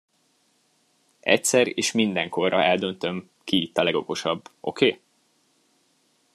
Egyszer és mindenkorra eldöntöm, ki itt a legokosabb, oké?